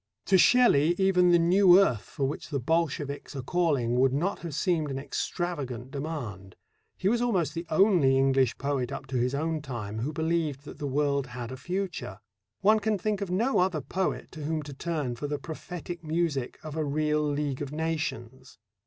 To Shelley even the new earth for which the Bolsheviks are calling would not have seemed an extravagant demand. He was almost the only English poet up to his own time who believed that the world had a future. One can think of no other poet to whom to turn for the prophetic music of a real League of Nations.